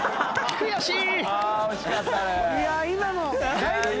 悔しい！